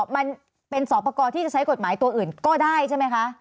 มันเป็นสอบประกอบที่จะใช้กฎหมายตัวอื่นก็ได้ใช่ไหมคะ